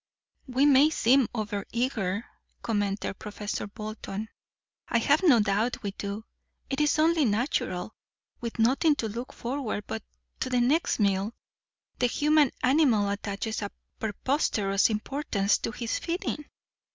"We may seem over eager," commented Professor Bolton. "I have no doubt we do. It is only natural. With nothing to look forward to but the next meal, the human animal attaches a preposterous importance to his feeding.